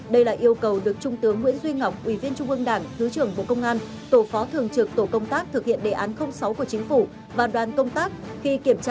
đây là yêu cầu được trung tướng nguyễn duy ngọc ủy viên trung ương đảng thứ trưởng bộ công an tổ phó thường trực tổ công tác thực hiện đề án sáu của chính phủ và đoàn công tác